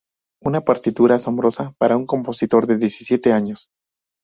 Una partitura asombrosa para un compositor de diecisiete años.